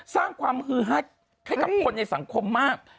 สร้างความฮือฮาให้กับคนในสังคมมาก